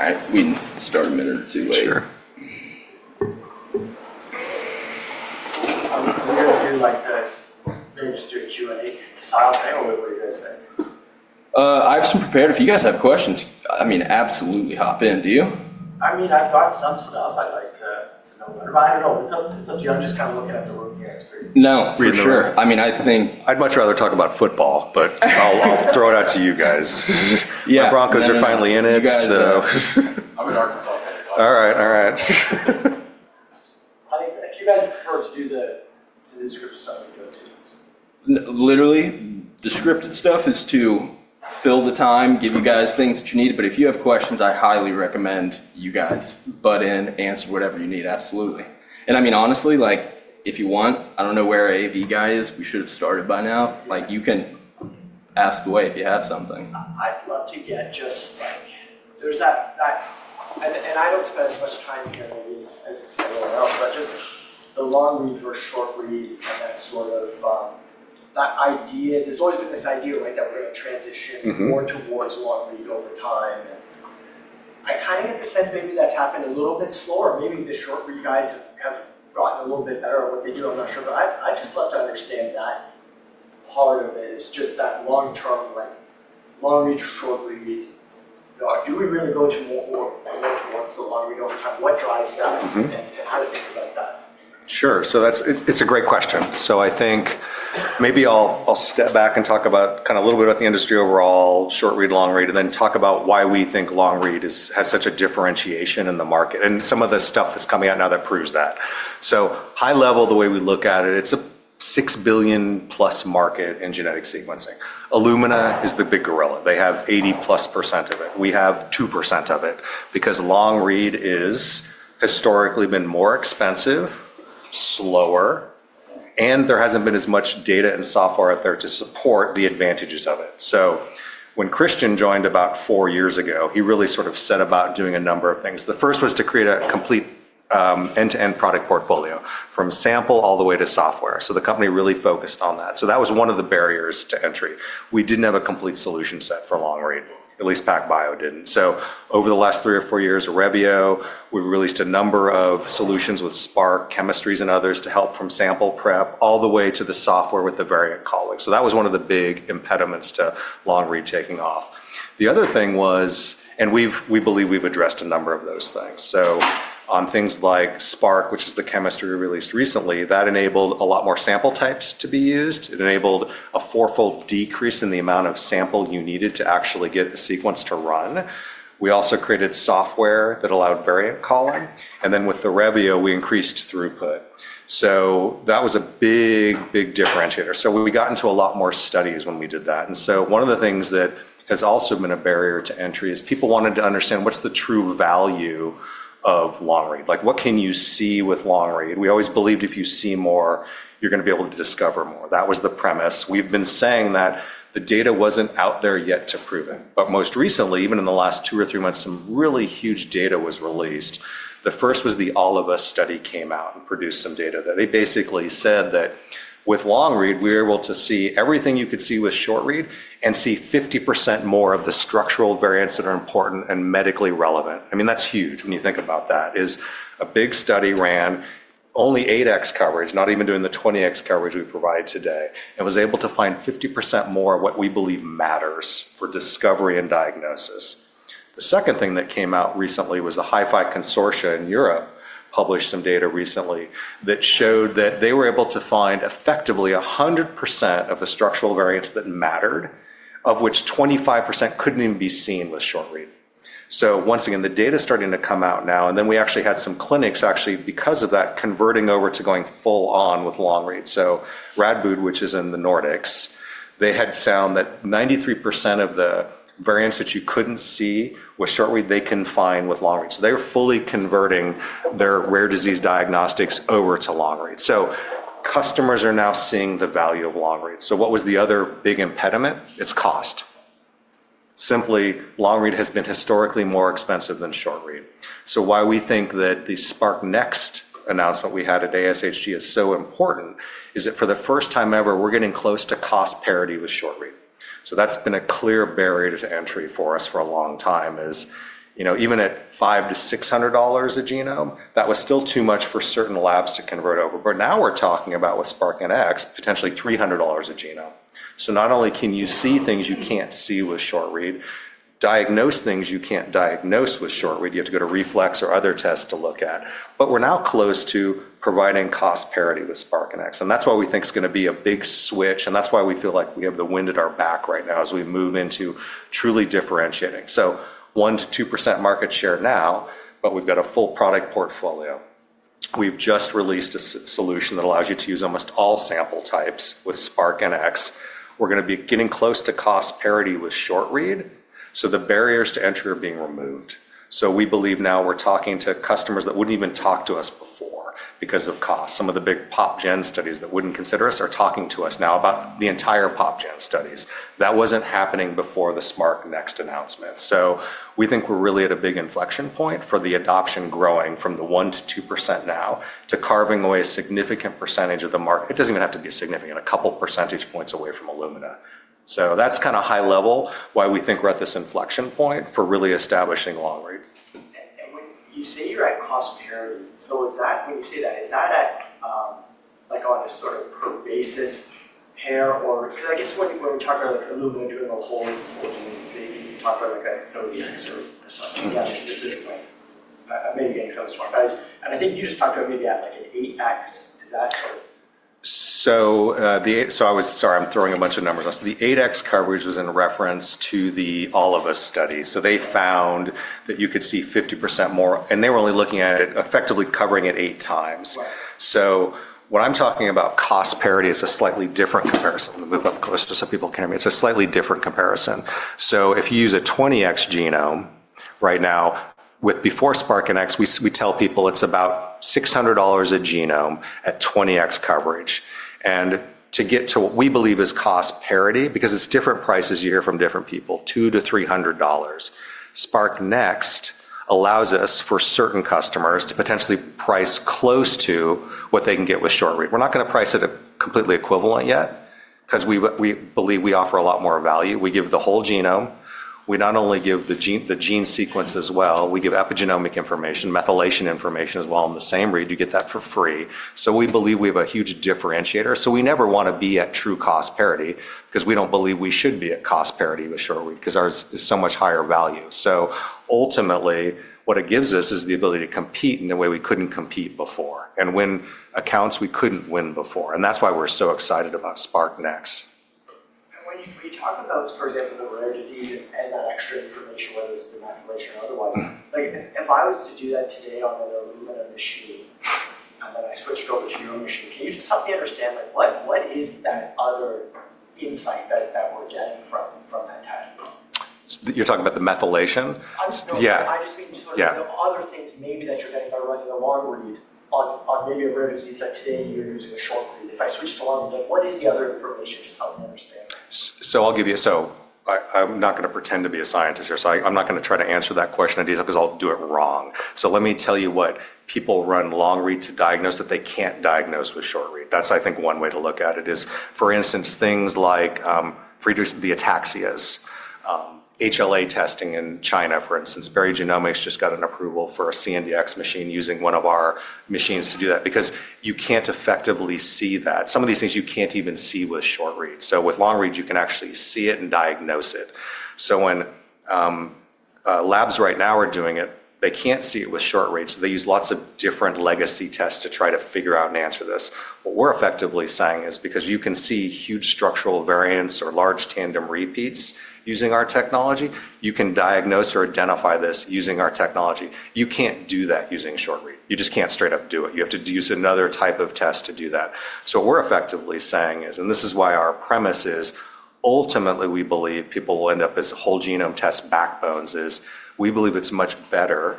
All right. We can start a minute or two later. Sure. Are you guys doing a Q&A style thing, or what do you guys say? I have some prepared. If you guys have questions, I mean, absolutely hop in. Do you? I mean, I've got some stuff I'd like to know. I don't know. It's up to you. I'm just kind of looking at the room here. No, for sure. I mean, I think I'd much rather talk about football, but I'll throw it out to you guys. My Broncos are finally in it, so. I'm an Arkansas fan, so. All right. All right. I think if you guys prefer to do the descriptive stuff, we can go to you. Literally, the scripted stuff is to fill the time, give you guys things that you need. If you have questions, I highly recommend you guys butt in, answer whatever you need. Absolutely. I mean, honestly, if you want, I don't know where AV guy is. We should have started by now. You can ask away if you have something. I'd love to get just there's that, and I don't spend as much time here as everyone else, but just the long read versus short read and that sort of that idea. There's always been this idea that we're going to transition more towards long read over time. I kind of get the sense maybe that's happened a little bit slower. Maybe the short read guys have gotten a little bit better at what they do. I'm not sure. I'd just love to understand that part of it. It's just that long-term, long read to short read. Do we really go to more towards the long read over time? What drives that, and how to think about that? Sure. It's a great question. I think maybe I'll step back and talk about kind of a little bit about the industry overall, short read, long read, and then talk about why we think long read has such a differentiation in the market and some of the stuff that's coming out now that proves that. High level, the way we look at it, it's a $6 billion-plus market in genetic sequencing. Illumina is the big gorilla. They have 80% plus of it. We have 2% of it because long read has historically been more expensive, slower, and there hasn't been as much data and software out there to support the advantages of it. When Christian joined about four years ago, he really sort of set about doing a number of things. The first was to create a complete end-to-end product portfolio from sample all the way to software. The company really focused on that. That was one of the barriers to entry. We did not have a complete solution set for long read, at least PacBio did not. Over the last three or four years, Revio, we have released a number of solutions with Spark, chemistries, and others to help from sample prep all the way to the software with the variant calling. That was one of the big impediments to long read taking off. The other thing was, and we believe we have addressed a number of those things. On things like Spark, which is the chemistry we released recently, that enabled a lot more sample types to be used. It enabled a four-fold decrease in the amount of sample you needed to actually get a sequence to run. We also created software that allowed variant calling. With Revio, we increased throughput. That was a big, big differentiator. We got into a lot more studies when we did that. One of the things that has also been a barrier to entry is people wanted to understand what's the true value of long read. What can you see with long read? We always believed if you see more, you're going to be able to discover more. That was the premise. We've been saying that the data wasn't out there yet to prove it. Most recently, even in the last two or three months, some really huge data was released. The first was the All of Us study came out and produced some data that they basically said that with long read, we were able to see everything you could see with short read and see 50% more of the structural variants that are important and medically relevant. I mean, that's huge when you think about that. A big study ran only 8X coverage, not even doing the 20X coverage we provide today, and was able to find 50% more of what we believe matters for discovery and diagnosis. The second thing that came out recently was a HiFi consortium in Europe published some data recently that showed that they were able to find effectively 100% of the structural variants that mattered, of which 25% couldn't even be seen with short read. Once again, the data is starting to come out now. We actually had some clinics, actually, because of that, converting over to going full on with long read. Radboud, which is in the Netherlands, had found that 93% of the variants that you could not see with short read, they can find with long read. They were fully converting their rare disease diagnostics over to long read. Customers are now seeing the value of long read. The other big impediment is cost. Simply, long read has been historically more expensive than short read. That is why we think that the Spark Next announcement we had at ASHG is so important, because for the first time ever, we are getting close to cost parity with short read. That has been a clear barrier to entry for us for a long time, is even at $500-$600 a genome, that was still too much for certain labs to convert over. Now we are talking about, with Spark Next, potentially $300 a genome. Not only can you see things you cannot see with short read, diagnose things you cannot diagnose with short read, you have to go to reflex or other tests to look at. We are now close to providing cost parity with Spark Next. That is why we think it is going to be a big switch. That is why we feel like we have the wind at our back right now as we move into truly differentiating. One to 2% market share now, but we have got a full product portfolio. We've just released a solution that allows you to use almost all sample types with Spark Next. We're going to be getting close to cost parity with short read. The barriers to entry are being removed. We believe now we're talking to customers that wouldn't even talk to us before because of cost. Some of the big PopGen studies that wouldn't consider us are talking to us now about the entire PopGen studies. That wasn't happening before the Spark Next announcement. We think we're really at a big inflection point for the adoption growing from the 1-2% now to carving away a significant percentage of the market. It doesn't even have to be a significant, a couple percentage points away from Illumina. That's kind of high level why we think we're at this inflection point for really establishing long read. When you say you're at cost parity, so when you say that, is that on a sort of per basis pair? Because I guess when we talk about Illumina doing a whole new thing, you talk about an X or something. Yeah, specifically. I may be getting some of the SMRT values. And I think you just talked about maybe at an 8X. Is that sort of? I was sorry, I'm throwing a bunch of numbers on. The 8X coverage was in reference to the All of Us study. They found that you could see 50% more, and they were only looking at it effectively covering it eight times. What I'm talking about, cost parity is a slightly different comparison. I'm going to move up close so people can hear me. It's a slightly different comparison. If you use a 20X genome right now, before Spark Next, we tell people it's about $600 a genome at 20X coverage. To get to what we believe is cost parity, because it's different prices you hear from different people, $200-$300, Spark Next allows us for certain customers to potentially price close to what they can get with short read. We're not going to price it at completely equivalent yet because we believe we offer a lot more value. We give the whole genome. We not only give the gene sequence as well. We give epigenomic information, methylation information as well on the same read. You get that for free. We believe we have a huge differentiator. We never want to be at true cost parity because we don't believe we should be at cost parity with short read because ours is so much higher value. Ultimately, what it gives us is the ability to compete in a way we couldn't compete before and win accounts we couldn't win before. That is why we're so excited about Spark Next. When you talk about, for example, the rare disease and that extra information, whether it's the methylation or otherwise, if I was to do that today on an Illumina machine and then I switched over to your machine, can you just help me understand what is that other insight that we're getting from that test? You're talking about the methylation? I'm just noticing, I just mean sort of the other things maybe that you're getting by running a long read on maybe a rare disease that today you're using a short read. If I switched to long read, what is the other information? Just help me understand. I'll give you, so I'm not going to pretend to be a scientist here, so I'm not going to try to answer that question because I'll do it wrong. Let me tell you what people run long read to diagnose that they can't diagnose with short read. That's, I think, one way to look at it is, for instance, things like the ataxias, HLA testing in China, for instance. Berry Genomics just got an approval for a Sequel IIe machine using one of our machines to do that because you can't effectively see that. Some of these things you can't even see with short read. With long read, you can actually see it and diagnose it. When labs right now are doing it, they can't see it with short read. They use lots of different legacy tests to try to figure out and answer this. What we're effectively saying is because you can see huge structural variants or large tandem repeats using our technology, you can diagnose or identify this using our technology. You can't do that using short read. You just can't straight up do it. You have to use another type of test to do that. What we're effectively saying is, and this is why our premise is ultimately we believe people will end up as whole genome test backbones, is we believe it's much better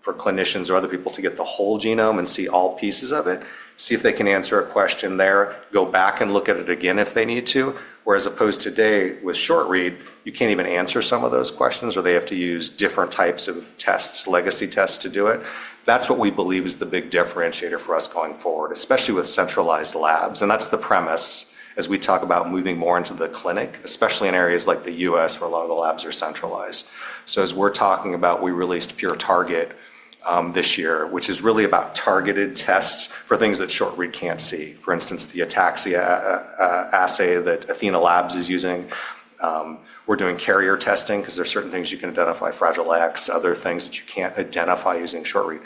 for clinicians or other people to get the whole genome and see all pieces of it, see if they can answer a question there, go back and look at it again if they need to. Whereas opposed today with short read, you can't even answer some of those questions or they have to use different types of tests, legacy tests to do it. That's what we believe is the big differentiator for us going forward, especially with centralized labs. That's the premise as we talk about moving more into the clinic, especially in areas like the US where a lot of the labs are centralized. As we're talking about, we released Pure Target this year, which is really about targeted tests for things that short read can't see. For instance, the ataxia assay that Athena Diagnostics is using. We're doing carrier testing because there are certain things you can identify, Fragile X, other things that you can't identify using short read.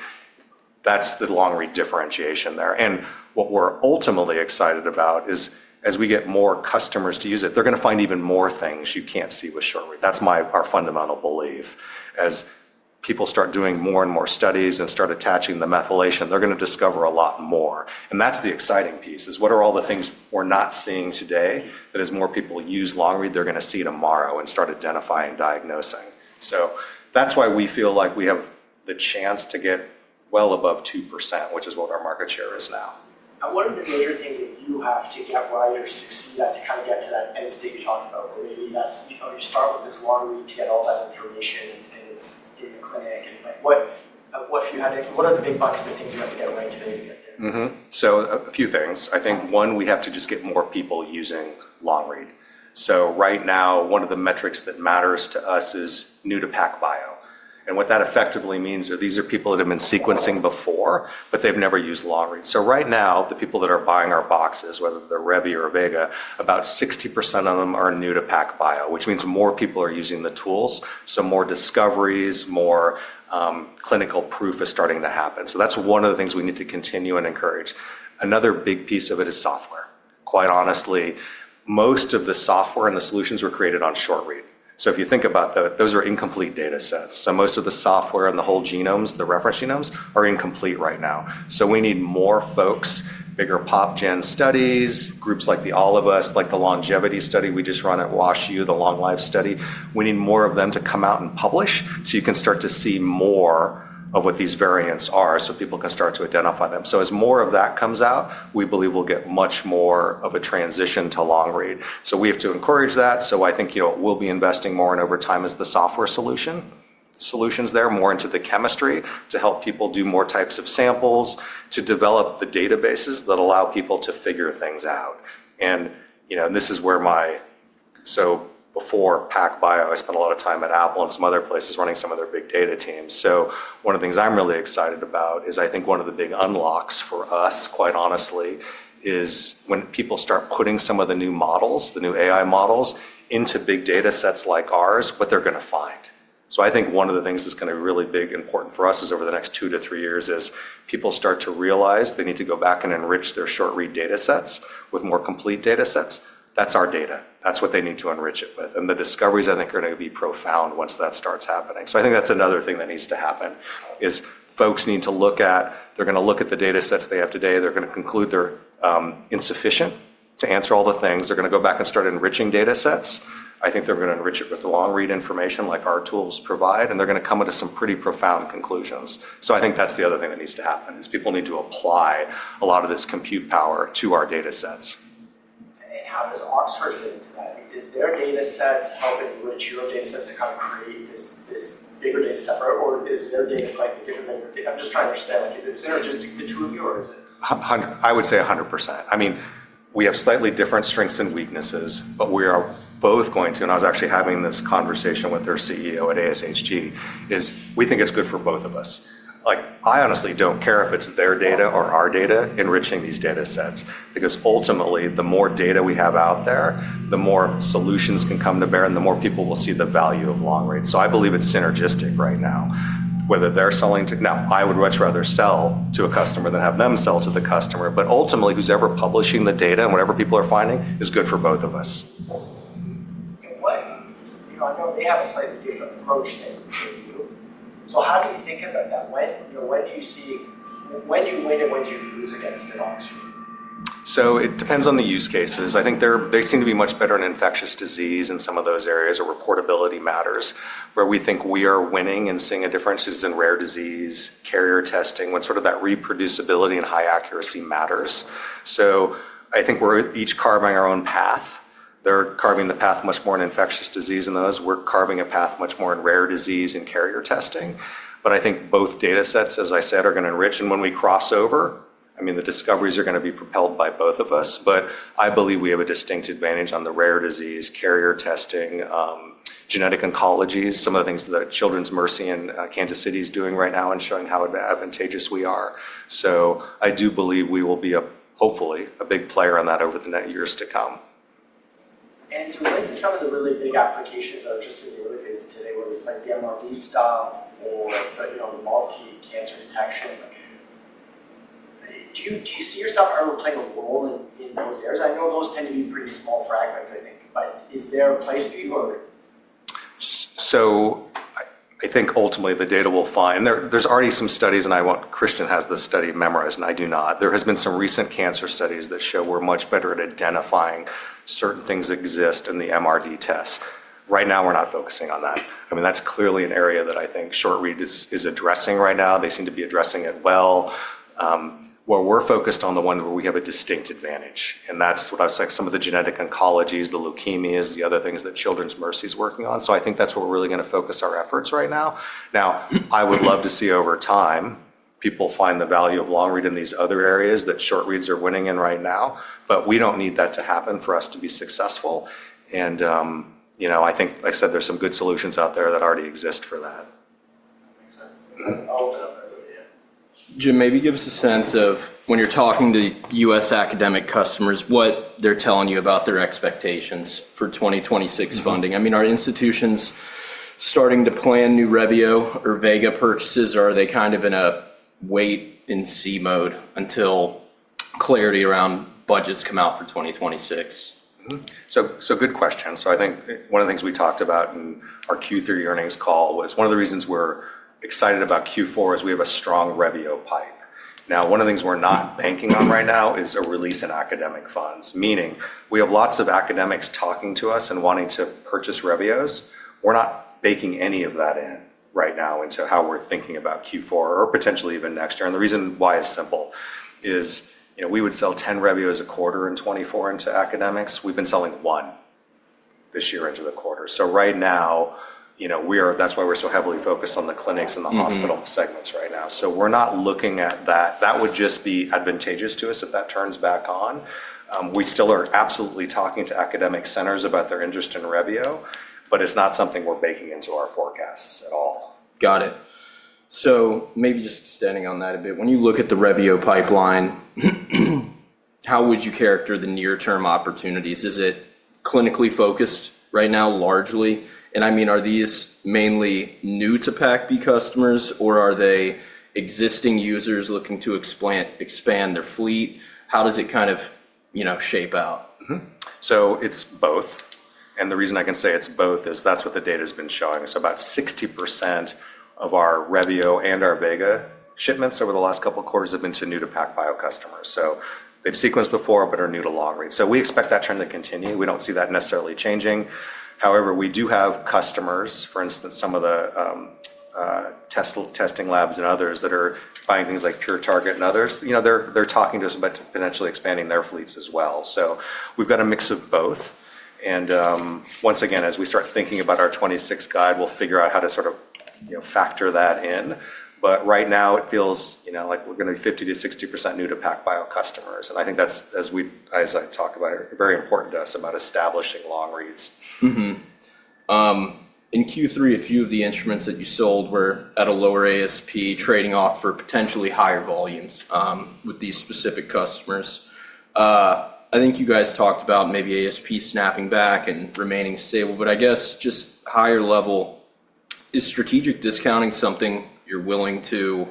That's the long read differentiation there. What we're ultimately excited about is as we get more customers to use it, they're going to find even more things you can't see with short read. That's our fundamental belief. As people start doing more and more studies and start attaching the methylation, they're going to discover a lot more. That is the exciting piece, what are all the things we're not seeing today that as more people use long read, they're going to see tomorrow and start identifying and diagnosing. That is why we feel like we have the chance to get well above 2%, which is what our market share is now. What are the major things that you have to get while you succeed to kind of get to that end state you talked about where maybe you start with this long read to get all that information and it's in the clinic? What are the big buckets of things you have to get right today to get there? A few things. I think one, we have to just get more people using long read. Right now, one of the metrics that matters to us is new to PacBio. What that effectively means is these are people that have been sequencing before, but they've never used long read. Right now, the people that are buying our boxes, whether they're Revio or Vega, about 60% of them are new to PacBio, which means more people are using the tools. More discoveries, more clinical proof is starting to happen. That's one of the things we need to continue and encourage. Another big piece of it is software. Quite honestly, most of the software and the solutions were created on short read. If you think about those, those are incomplete data sets. Most of the software and the whole genomes, the reference genomes, are incomplete right now. We need more folks, bigger PopGen studies, groups like the All of Us, like the Longevity study we just run at WashU, the Long Life study. We need more of them to come out and publish so you can start to see more of what these variants are so people can start to identify them. As more of that comes out, we believe we'll get much more of a transition to long read. We have to encourage that. I think we'll be investing more and over time as the software solutions, solutions there, more into the chemistry to help people do more types of samples, to develop the databases that allow people to figure things out. This is where my, so before PacBio, I spent a lot of time at Apple and some other places running some of their big data teams. One of the things I'm really excited about is I think one of the big unlocks for us, quite honestly, is when people start putting some of the new models, the new AI models into big data sets like ours, what they're going to find. I think one of the things that's going to be really big and important for us is over the next two to three years people start to realize they need to go back and enrich their short read data sets with more complete data sets. That's our data. That's what they need to enrich it with. The discoveries, I think, are going to be profound once that starts happening. I think that's another thing that needs to happen is folks need to look at, they're going to look at the data sets they have today. They're going to conclude they're insufficient to answer all the things. They're going to go back and start enriching data sets. I think they're going to enrich it with long read information like our tools provide, and they're going to come up with some pretty profound conclusions. I think that's the other thing that needs to happen is people need to apply a lot of this compute power to our data sets. How does Oxford fit into that? Is their data sets helping enrich your data sets to kind of create this bigger data set for it, or is their data slightly different than your data? I'm just trying to understand, is it synergistic to the two of you, or is it? I would say 100%. I mean, we have slightly different strengths and weaknesses, but we are both going to, and I was actually having this conversation with their CEO at ASHG, is we think it's good for both of us. I honestly don't care if it's their data or our data enriching these data sets because ultimately, the more data we have out there, the more solutions can come to bear and the more people will see the value of long read. I believe it's synergistic right now. Whether they're selling to now, I would much rather sell to a customer than have them sell to the customer. Ultimately, who's ever publishing the data and whatever people are finding is good for both of us. What I know is they have a slightly different approach than you. How do you think about that? When do you win and when do you lose against Oxford? It depends on the use cases. I think they seem to be much better in infectious disease and some of those areas where reportability matters, where we think we are winning and seeing a difference in rare disease, carrier testing, when sort of that reproducibility and high accuracy matters. I think we're each carving our own path. They're carving the path much more in infectious disease than us. We're carving a path much more in rare disease and carrier testing. I think both data sets, as I said, are going to enrich. When we crossover, I mean, the discoveries are going to be propelled by both of us. I believe we have a distinct advantage on the rare disease, carrier testing, genetic oncologies, some of the things that Children's Mercy in Kansas City is doing right now and showing how advantageous we are. I do believe we will be, hopefully, a big player on that over the years to come. What are some of the really big applications that are just in the early phase today, whether it's like the MRD stuff or the multi-cancer detection? Do you see yourself ever playing a role in those areas? I know those tend to be pretty small fragments, I think, but is there a place for you, or? I think ultimately the data will find there's already some studies, and I want Christian has the study memorized, and I do not. There have been some recent cancer studies that show we're much better at identifying certain things that exist in the MRD tests. Right now, we're not focusing on that. I mean, that's clearly an area that I think short read is addressing right now. They seem to be addressing it well. We're focused on the ones where we have a distinct advantage. That's what I was like, some of the genetic oncologies, the leukemias, the other things that Children's Mercy is working on. I think that's where we're really going to focus our efforts right now. Now, I would love to see over time people find the value of long read in these other areas that short reads are winning in right now, but we do not need that to happen for us to be successful. I think, like I said, there are some good solutions out there that already exist for that. Jim, maybe give us a sense of when you're talking to US academic customers, what they're telling you about their expectations for 2026 funding. I mean, are institutions starting to plan new Revio or Vega purchases, or are they kind of in a wait-and-see mode until clarity around budgets come out for 2026? Good question. I think one of the things we talked about in our Q3 earnings call was one of the reasons we're excited about Q4 is we have a strong Revio pipe. Now, one of the things we're not banking on right now is a release in academic funds, meaning we have lots of academics talking to us and wanting to purchase Revios. We're not baking any of that in right now into how we're thinking about Q4 or potentially even next year. The reason why is simple is we would sell 10 Revios a quarter in 2024 into academics. We've been selling one this year into the quarter. Right now, that's why we're so heavily focused on the clinics and the hospital segments right now. We're not looking at that. That would just be advantageous to us if that turns back on. We still are absolutely talking to academic centers about their interest in Revio, but it's not something we're baking into our forecasts at all. Got it. Maybe just extending on that a bit. When you look at the Revio pipeline, how would you characterize the near-term opportunities? Is it clinically focused right now largely? I mean, are these mainly new to PacBio customers, or are they existing users looking to expand their fleet? How does it kind of shape out? It is both. The reason I can say it is both is that is what the data has been showing. About 60% of our Revio and our Vega shipments over the last couple of quarters have been to new to PacBio customers. They have sequenced before but are new to long read. We expect that trend to continue. We do not see that necessarily changing. However, we do have customers, for instance, some of the testing labs and others that are buying things like Pure Target and others. They are talking to us about potentially expanding their fleets as well. We have a mix of both. Once again, as we start thinking about our 2026 guide, we will figure out how to factor that in. Right now, it feels like we are going to be 50%-60% new to PacBio customers. I think that's, as I talk about it, very important to us about establishing long reads. In Q3, a few of the instruments that you sold were at a lower ASP trading off for potentially higher volumes with these specific customers. I think you guys talked about maybe ASP snapping back and remaining stable, but I guess just higher level, is strategic discounting something you're willing to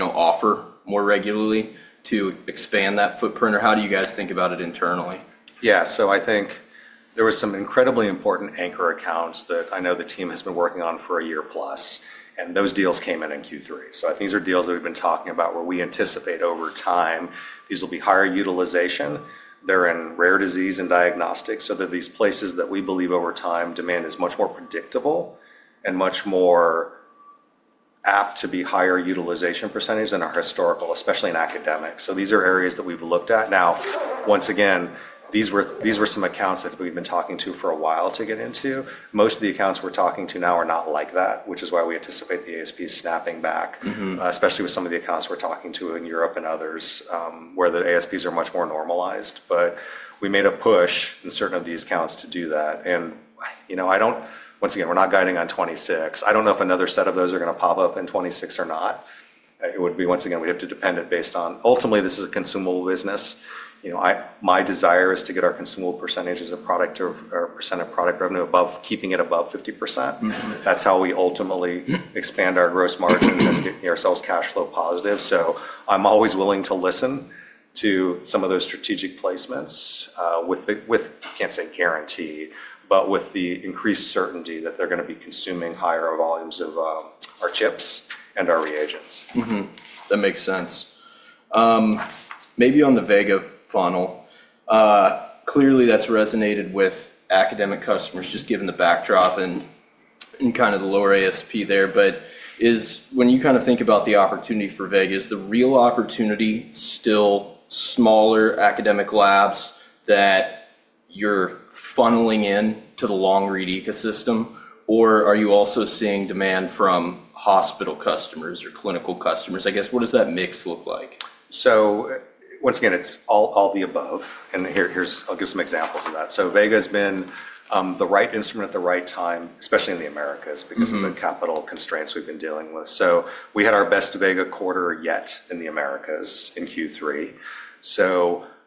offer more regularly to expand that footprint, or how do you guys think about it internally? Yeah, I think there were some incredibly important anchor accounts that I know the team has been working on for a year plus, and those deals came in in Q3. I think these are deals that we've been talking about where we anticipate over time these will be higher utilization. They're in rare disease and diagnostics. They're these places that we believe over time demand is much more predictable and much more apt to be higher utilization percentage than our historical, especially in academics. These are areas that we've looked at. Now, once again, these were some accounts that we've been talking to for a while to get into. Most of the accounts we're talking to now are not like that, which is why we anticipate the ASP snapping back, especially with some of the accounts we're talking to in Europe and others where the ASPs are much more normalized. We made a push in certain of these accounts to do that. Once again, we're not guiding on 2026. I don't know if another set of those are going to pop up in 2026 or not. It would be, once again, we have to depend it based on ultimately, this is a consumable business. My desire is to get our consumable percentages of product or percent of product revenue above, keeping it above 50%. That's how we ultimately expand our gross margins and get ourselves cash flow positive. I'm always willing to listen to some of those strategic placements with, I can't say guarantee, but with the increased certainty that they're going to be consuming higher volumes of our chips and our reagents. That makes sense. Maybe on the Vega funnel, clearly that's resonated with academic customers just given the backdrop and kind of the lower ASP there. When you kind of think about the opportunity for Vega, is the real opportunity still smaller academic labs that you're funneling into the long read ecosystem, or are you also seeing demand from hospital customers or clinical customers? I guess, what does that mix look like? Once again, it's all the above. I'll give some examples of that. Vega has been the right instrument at the right time, especially in the Americas because of the capital constraints we've been dealing with. We had our best Vega quarter yet in the Americas in Q3.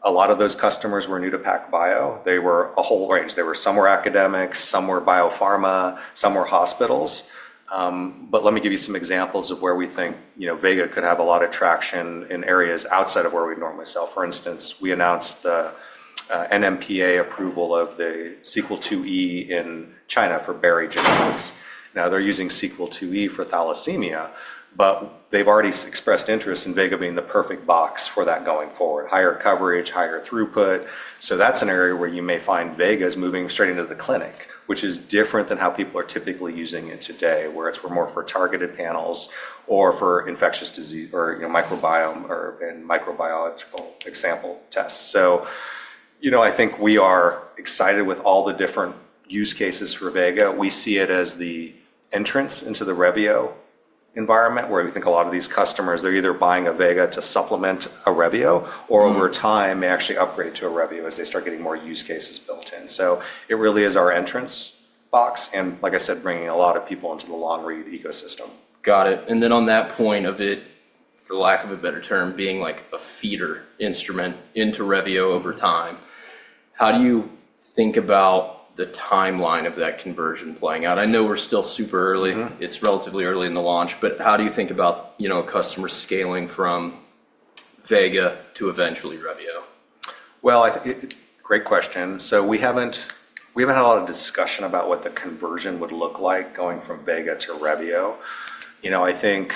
A lot of those customers were new to PacBio. They were a whole range. Some were academics, some were biopharma, some were hospitals. Let me give you some examples of where we think Vega could have a lot of traction in areas outside of where we normally sell. For instance, we announced the NMPA approval of the Sequel IIe in China for Berry Genomics. They're using Sequel IIe for thalassemia, but they've already expressed interest in Vega being the perfect box for that going forward, higher coverage, higher throughput. That's an area where you may find Vega is moving straight into the clinic, which is different than how people are typically using it today, where it's more for targeted panels or for infectious disease or microbiome and microbiological example tests. I think we are excited with all the different use cases for Vega. We see it as the entrance into the Revio environment where we think a lot of these customers, they're either buying a Vega to supplement a Revio or over time may actually upgrade to a Revio as they start getting more use cases built in. It really is our entrance box and, like I said, bringing a lot of people into the long read ecosystem. Got it. On that point of it, for lack of a better term, being like a feeder instrument into Revio over time, how do you think about the timeline of that conversion playing out? I know we're still super early. It's relatively early in the launch, but how do you think about customers scaling from Vega to eventually Revio? Great question. We have not had a lot of discussion about what the conversion would look like going from Vega to Revio. I think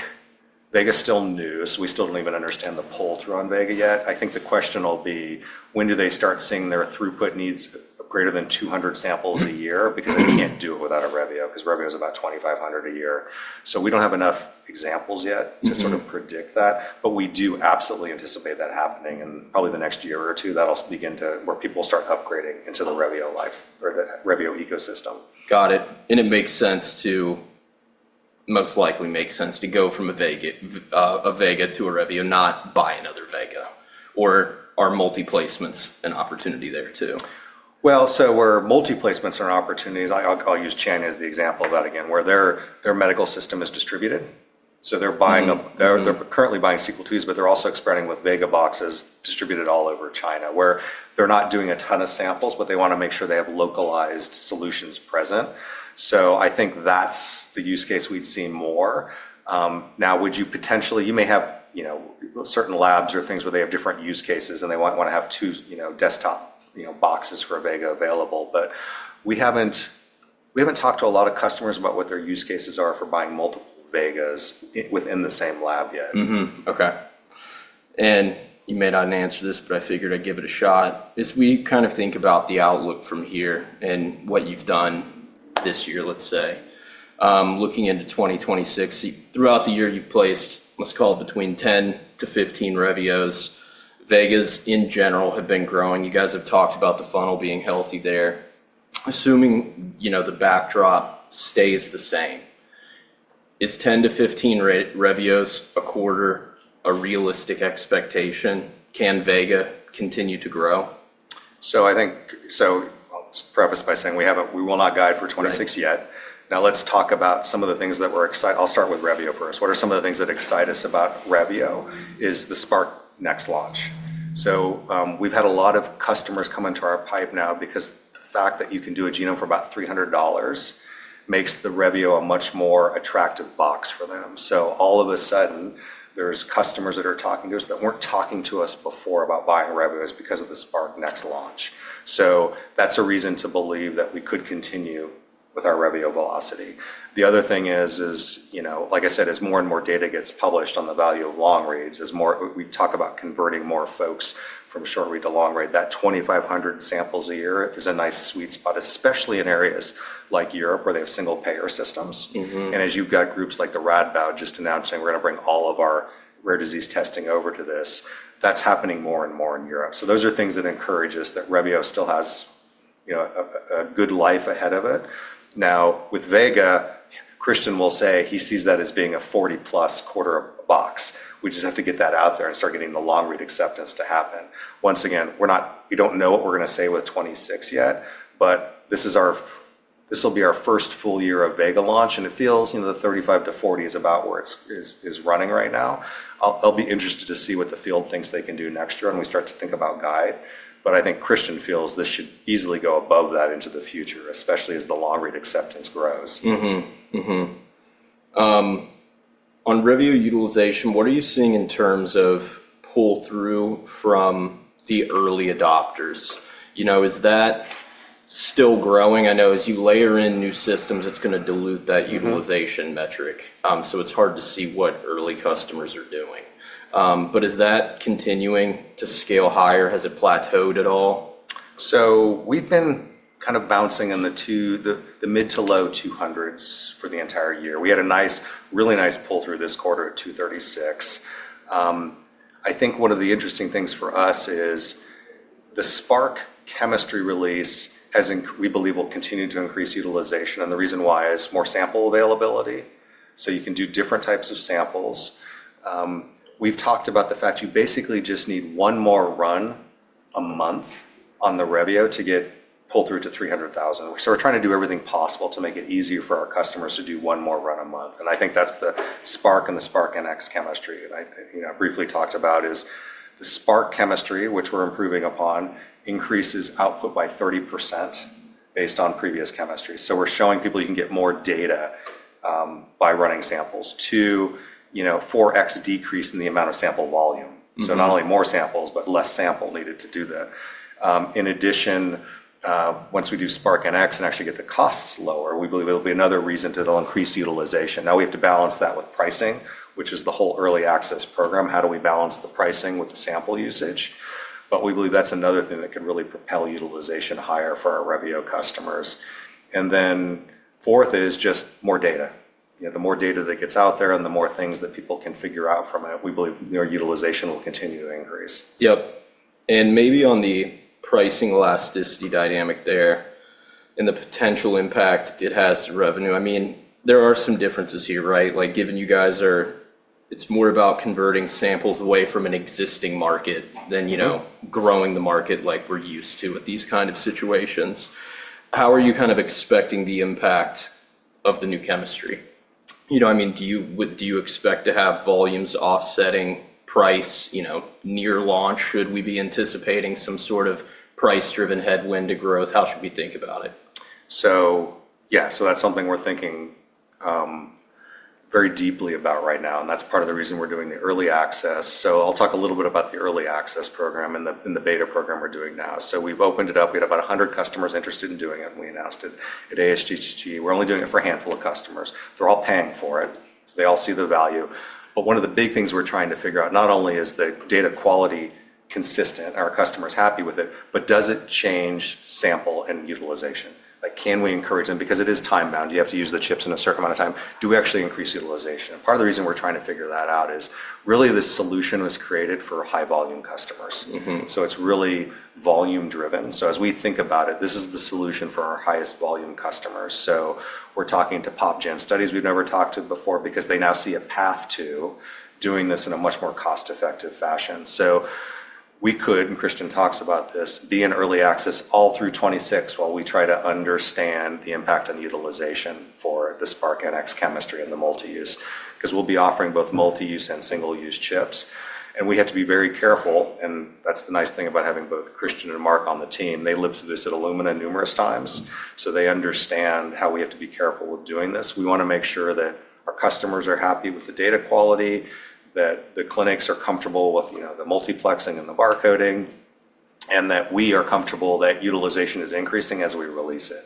Vega is still new, so we still do not even understand the pull-through on Vega yet. I think the question will be, when do they start seeing their throughput needs greater than 200 samples a year? They cannot do it without a Revio because Revio is about 2,500 a year. We do not have enough examples yet to sort of predict that, but we do absolutely anticipate that happening. Probably in the next year or two, that will begin to where people will start upgrading into the Revio life or the Revio ecosystem. Got it. It makes sense to most likely make sense to go from a Vega to a Revio, not buy another Vega. Or are multi-placements an opportunity there too? Where multi-placements are an opportunity, I'll use China as the example of that again, where their medical system is distributed. They're currently buying Sequel IIes, but they're also expanding with Vega boxes distributed all over China where they're not doing a ton of samples, but they want to make sure they have localized solutions present. I think that's the use case we'd see more. Now, would you potentially, you may have certain labs or things where they have different use cases and they might want to have two desktop boxes for a Vega available, but we haven't talked to a lot of customers about what their use cases are for buying multiple Vegas within the same lab yet. Okay. You may not answer this, but I figured I'd give it a shot. As we kind of think about the outlook from here and what you've done this year, let's say, looking into 2026, throughout the year, you've placed, let's call it between 10-15 Revios. Vegas, in general, have been growing. You guys have talked about the funnel being healthy there. Assuming the backdrop stays the same, is 10-15 Revios a quarter a realistic expectation? Can Vega continue to grow? I think, I'll preface by saying we will not guide for 2026 yet. Now, let's talk about some of the things that we're excited. I'll start with Revio first. What are some of the things that excite us about Revio? Is the Spark Next launch. We've had a lot of customers come into our pipe now because the fact that you can do a genome for about $300 makes the Revio a much more attractive box for them. All of a sudden, there's customers that are talking to us that weren't talking to us before about buying Revios because of the Spark Next launch. That's a reason to believe that we could continue with our Revio velocity. The other thing is, like I said, as more and more data gets published on the value of long reads, we talk about converting more folks from short read to long read. That 2,500 samples a year is a nice sweet spot, especially in areas like Europe where they have single-payer systems. As you've got groups like Radboud just announcing, "We're going to bring all of our rare disease testing over to this," that's happening more and more in Europe. Those are things that encourage us that Revio still has a good life ahead of it. Now, with Vega, Christian will say he sees that as being a 40-plus quarter box. We just have to get that out there and start getting the long read acceptance to happen. Once again, we don't know what we're going to say with '26 yet, but this will be our first full year of Vega launch, and it feels the 35-40 is about where it's running right now. I'll be interested to see what the field thinks they can do next year when we start to think about guide. I think Christian feels this should easily go above that into the future, especially as the long read acceptance grows. On Revio utilization, what are you seeing in terms of pull-through from the early adopters? Is that still growing? I know as you layer in new systems, it is going to dilute that utilization metric. It is hard to see what early customers are doing. Is that continuing to scale higher? Has it plateaued at all? We've been kind of bouncing in the mid to low 200s for the entire year. We had a really nice pull-through this quarter at 236. I think one of the interesting things for us is the Spark chemistry release we believe will continue to increase utilization. The reason why is more sample availability. You can do different types of samples. We've talked about the fact you basically just need one more run a month on the Revio to get pull-through to $300,000. We're trying to do everything possible to make it easier for our customers to do one more run a month. I think that's the Spark and the Spark Next chemistry. I briefly talked about the Spark chemistry, which we're improving upon, increases output by 30% based on previous chemistry. We're showing people you can get more data by running samples to 4x decrease in the amount of sample volume. Not only more samples, but less sample needed to do that. In addition, once we do Spark Next and actually get the costs lower, we believe it'll be another reason to increase utilization. Now, we have to balance that with pricing, which is the whole early access program. How do we balance the pricing with the sample usage? We believe that's another thing that can really propel utilization higher for our Revio customers. Fourth is just more data. The more data that gets out there and the more things that people can figure out from it, we believe utilization will continue to increase. Yep. Maybe on the pricing elasticity dynamic there and the potential impact it has to revenue, I mean, there are some differences here, right? Like given you guys are, it's more about converting samples away from an existing market than growing the market like we're used to with these kind of situations. How are you kind of expecting the impact of the new chemistry? I mean, do you expect to have volumes offsetting price near launch? Should we be anticipating some sort of price-driven headwind to growth? How should we think about it? Yeah, that's something we're thinking very deeply about right now. That's part of the reason we're doing the early access. I'll talk a little bit about the early access program and the beta program we're doing now. We've opened it up. We had about 100 customers interested in doing it. We announced it at ASHG. We're only doing it for a handful of customers. They're all paying for it. They all see the value. One of the big things we're trying to figure out is not only is the data quality consistent, are our customers happy with it, but does it change sample and utilization? Can we encourage them? Because it is time-bound. You have to use the chips in a certain amount of time. Do we actually increase utilization? Part of the reason we're trying to figure that out is really the solution was created for high-volume customers. It is really volume-driven. As we think about it, this is the solution for our highest volume customers. We are talking to PopGen studies. We have never talked to them before because they now see a path to doing this in a much more cost-effective fashion. We could, and Christian talks about this, be in early access all through 2026 while we try to understand the impact on utilization for the Spark Next chemistry and the multi-use because we will be offering both multi-use and single-use chips. We have to be very careful, and that is the nice thing about having both Christian and Mark on the team. They lived through this at Illumina numerous times, so they understand how we have to be careful with doing this. We want to make sure that our customers are happy with the data quality, that the clinics are comfortable with the multiplexing and the barcoding, and that we are comfortable that utilization is increasing as we release it.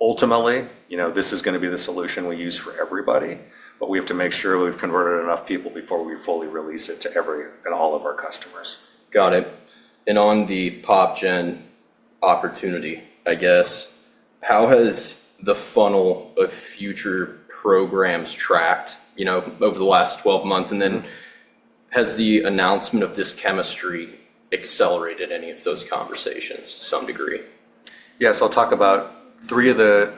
Ultimately, this is going to be the solution we use for everybody, but we have to make sure we've converted enough people before we fully release it to every and all of our customers. Got it. On the PopGen opportunity, I guess, how has the funnel of future programs tracked over the last 12 months? Has the announcement of this chemistry accelerated any of those conversations to some degree? Yes. I'll talk about three of the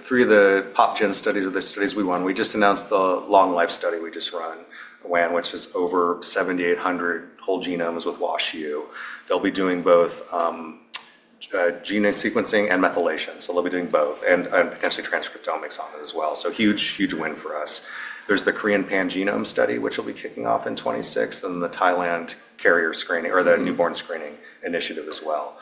PopGen studies or the studies we won. We just announced the Long Life study we just run, which is over 7,800 whole genomes with Washington University in St. Louis. They'll be doing both gene sequencing and methylation. They'll be doing both and potentially transcriptomics on it as well. Huge, huge win for us. There's the Korean Pan Genome Study, which will be kicking off in 2026, and the Thailand carrier screening or the newborn screening initiative as well.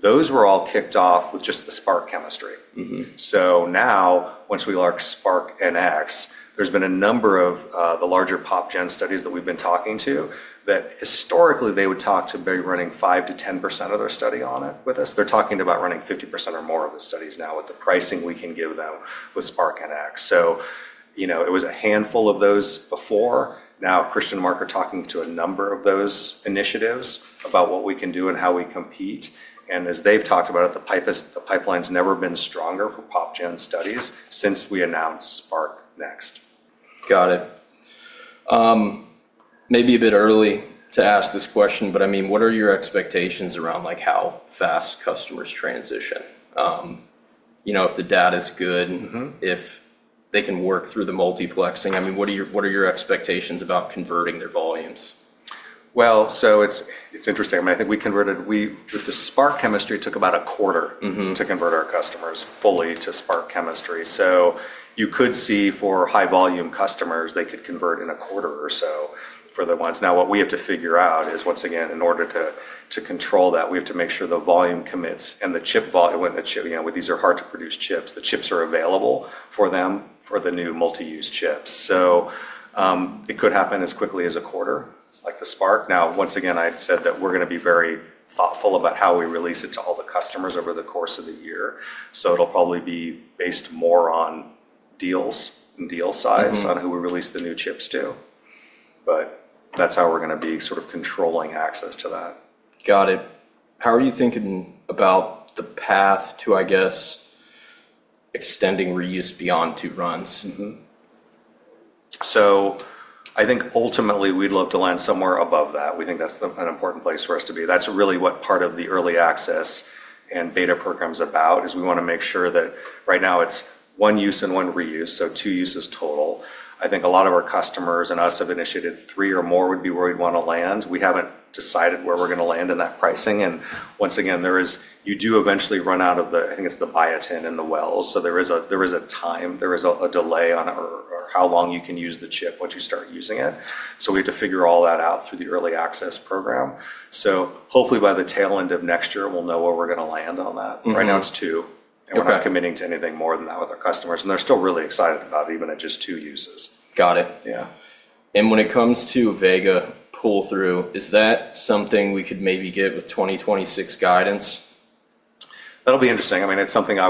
Those were all kicked off with just the Spark chemistry. Now, once we launch Spark Next, there's been a number of the larger PopGen studies that we've been talking to that historically they would talk to be running 5%-10% of their study on it with us. They're talking to about running 50% or more of the studies now with the pricing we can give them with Spark Next. It was a handful of those before. Now, Christian and Mark are talking to a number of those initiatives about what we can do and how we compete. As they've talked about it, the pipeline's never been stronger for PopGen studies since we announced Spark Next. Got it. Maybe a bit early to ask this question, but I mean, what are your expectations around how fast customers transition? If the data is good, if they can work through the multiplexing, I mean, what are your expectations about converting their volumes? It is interesting. I mean, I think we converted with the Spark chemistry, it took about a quarter to convert our customers fully to Spark chemistry. You could see for high-volume customers, they could convert in a quarter or so for the ones. Now, what we have to figure out is, once again, in order to control that, we have to make sure the volume commits and the chip volume, these are hard-to-produce chips, the chips are available for them for the new multi-use chips. It could happen as quickly as a quarter like the Spark. Once again, I said that we are going to be very thoughtful about how we release it to all the customers over the course of the year. It will probably be based more on deals and deal size on who we release the new chips to. That is how we're going to be sort of controlling access to that. Got it. How are you thinking about the path to, I guess, extending reuse beyond two runs? I think ultimately we'd love to land somewhere above that. We think that's an important place for us to be. That's really what part of the early access and beta program is about, is we want to make sure that right now it's one use and one reuse, so two uses total. I think a lot of our customers and us have initiated three or more would be where we'd want to land. We haven't decided where we're going to land in that pricing. Once again, you do eventually run out of the, I think it's the biotin and the wells. There is a time, there is a delay on how long you can use the chip once you start using it. We have to figure all that out through the early access program. Hopefully by the tail end of next year, we'll know where we're going to land on that. Right now it's two. We're not committing to anything more than that with our customers. They're still really excited about it even at just two uses. Got it. Yeah. When it comes to Vega pull-through, is that something we could maybe get with 2026 guidance? That'll be interesting. I mean, it's something I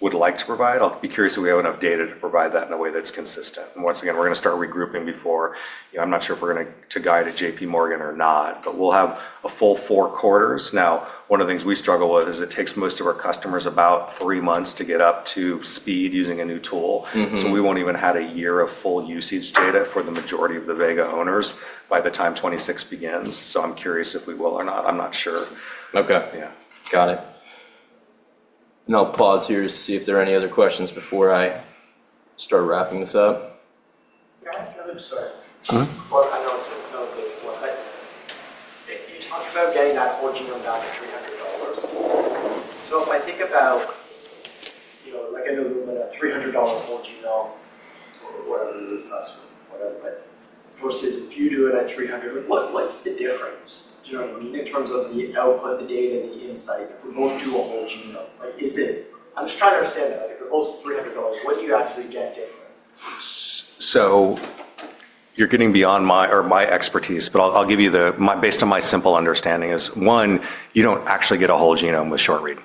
would like to provide. I'll be curious if we have enough data to provide that in a way that's consistent. Once again, we're going to start regrouping before. I'm not sure if we're going to guide at JPMorgan or not, but we'll have a full four quarters. Now, one of the things we struggle with is it takes most of our customers about three months to get up to speed using a new tool. We won't even have a year of full usage data for the majority of the Vega owners by the time 2026 begins. I'm curious if we will or not. I'm not sure. Okay. Yeah. Got it. I will pause here to see if there are any other questions before I start wrapping this up. Can I ask another question? I know it's a note-based one. You talked about getting that whole genome down to $300. If I think about, like I know you're looking at a $300 whole genome, whatever it is, that's whatever. If you do it at $300, what's the difference? Do you know what I mean? In terms of the output, the data, the insights, if we're going to do a whole genome, I'm just trying to understand that. If it goes to $300, what do you actually get different? You're getting beyond my expertise, but I'll give you the, based on my simple understanding, is one, you don't actually get a whole genome with short read.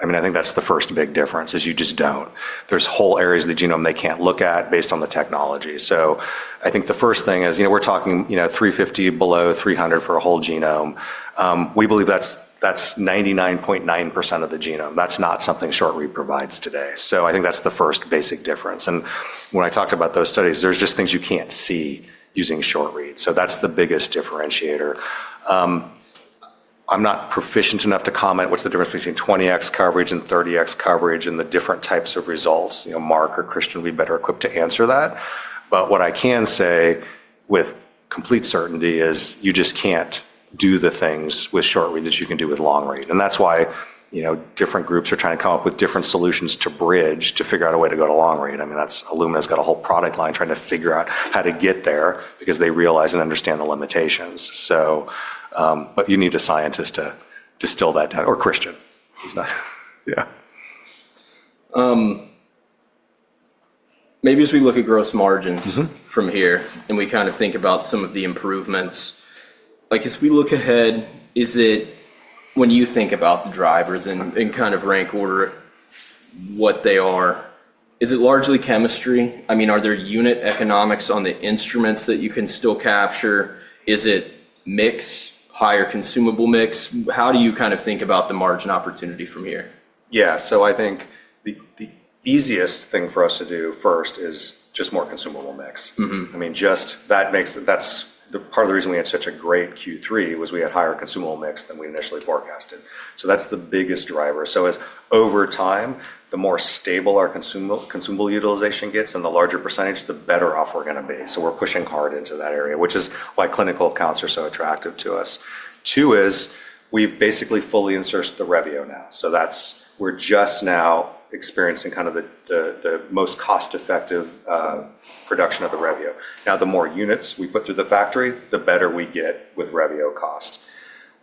I mean, I think that's the first big difference, is you just don't. There's whole areas of the genome they can't look at based on the technology. I think the first thing is we're talking $350 below $300 for a whole genome. We believe that's 99.9% of the genome. That's not something short read provides today. I think that's the first basic difference. When I talked about those studies, there's just things you can't see using short read. That's the biggest differentiator. I'm not proficient enough to comment what's the difference between 20x coverage and 30x coverage and the different types of results. Mark or Christian would be better equipped to answer that. What I can say with complete certainty is you just can't do the things with short read that you can do with long read. That's why different groups are trying to come up with different solutions to bridge, to figure out a way to go to long read. I mean, Illumina has got a whole product line trying to figure out how to get there because they realize and understand the limitations. You need a scientist to distill that down or Christian. Yeah. Maybe as we look at gross margins from here and we kind of think about some of the improvements, like as we look ahead, is it when you think about the drivers and kind of rank order what they are, is it largely chemistry? I mean, are there unit economics on the instruments that you can still capture? Is it mix, higher consumable mix? How do you kind of think about the margin opportunity from here? Yeah. I think the easiest thing for us to do first is just more consumable mix. I mean, that makes that's part of the reason we had such a great Q3 was we had higher consumable mix than we initially forecasted. That's the biggest driver. Over time, the more stable our consumable utilization gets and the larger percentage, the better off we're going to be. We're pushing hard into that area, which is why clinical accounts are so attractive to us. Two is we've basically fully inserted the Revio now. We're just now experiencing kind of the most cost-effective production of the Revio. The more units we put through the factory, the better we get with Revio cost.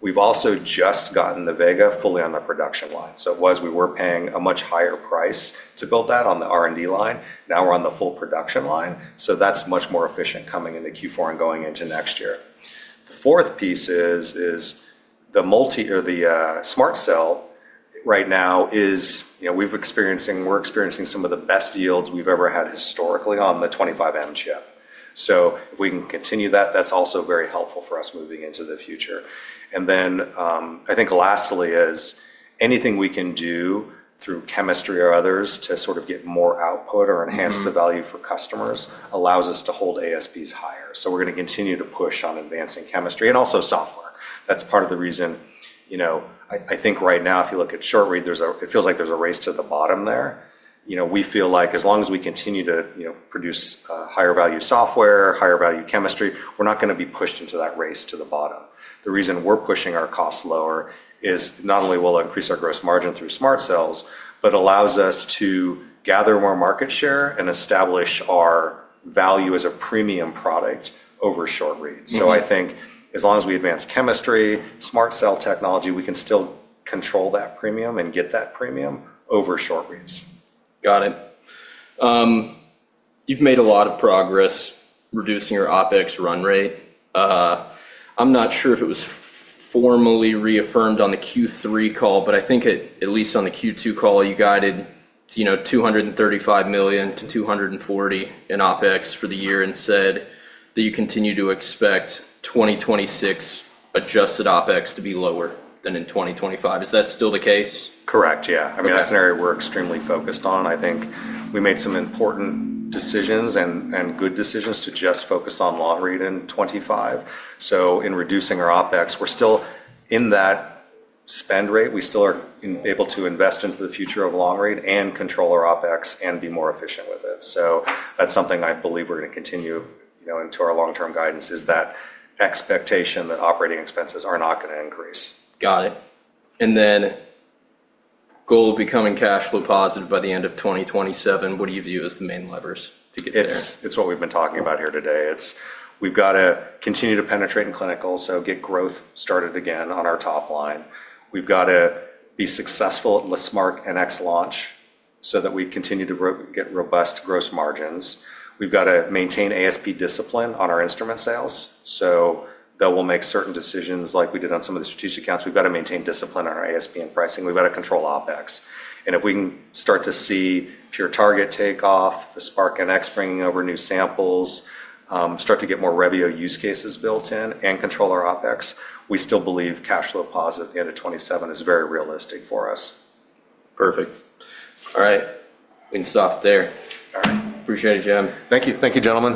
We've also just gotten the Vega fully on the production line. It was we were paying a much higher price to build that on the R&D line. Now we're on the full production line. That's much more efficient coming into Q4 and going into next year. The fourth piece is the SMRT Cell right now is we're experiencing some of the best yields we've ever had historically on the 25M chip. If we can continue that, that's also very helpful for us moving into the future. I think lastly is anything we can do through chemistry or others to sort of get more output or enhance the value for customers allows us to hold ASBs higher. We're going to continue to push on advancing chemistry and also software. That's part of the reason I think right now, if you look at short read, it feels like there's a race to the bottom there. We feel like as long as we continue to produce higher-value software, higher-value chemistry, we're not going to be pushed into that race to the bottom. The reason we're pushing our costs lower is not only will it increase our gross margin through SMRT Cells, but it allows us to gather more market share and establish our value as a premium product over short read. I think as long as we advance chemistry, SMRT Cell technology, we can still control that premium and get that premium over short reads. Got it. You've made a lot of progress reducing your OpEx run rate. I'm not sure if it was formally reaffirmed on the Q3 call, but I think at least on the Q2 call, you guided $235 million to $240 million in OpEx for the year and said that you continue to expect 2026 adjusted OpEx to be lower than in 2025. Is that still the case? Correct. Yeah. I mean, that's an area we're extremely focused on. I think we made some important decisions and good decisions to just focus on long read in 2025. In reducing our OpEx, we're still in that spend rate. We still are able to invest into the future of long read and control our OpEx and be more efficient with it. That's something I believe we're going to continue into our long-term guidance, is that expectation that operating expenses are not going to increase. Got it. The goal of becoming cash flow positive by the end of 2027, what do you view as the main levers to get there? It's what we've been talking about here today. We've got to continue to penetrate in clinical, get growth started again on our top line. We've got to be successful at the Spark NX launch so that we continue to get robust gross margins. We've got to maintain ASP discipline on our instrument sales. Though we'll make certain decisions like we did on some of the strategic accounts, we've got to maintain discipline on our ASP and pricing. We've got to control OpEx. If we can start to see Pure Target takeoff, the Spark NX bringing over new samples, start to get more Revio use cases built in and control our OpEx, we still believe cash flow positive at the end of 2027 is very realistic for us. Perfect. All right. We can stop there. All right. Appreciate it, Jim. Thank you. Thank you, gentlemen.